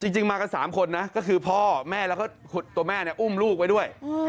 จริงมากัน๓คนนะก็คือพ่อแม่แล้วก็ตัวแม่อุ้มลูกไว้ด้วย